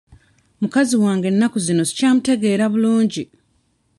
Mukazi wange ennaku zino sikyamutegeera bulungi.